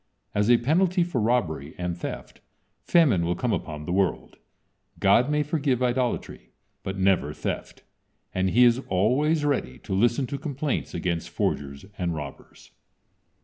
As a penalty for robbery and theft famine will come upon the world. God may forgive idolatry, but never theft, and He is always ready to listen to complaints against forgers and robbers.